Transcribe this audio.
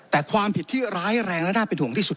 แต่ความผิดที่ร้ายแรงและน่าเป็นห่วงที่สุด